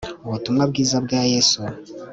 ubutumwa bwiza bwa yesu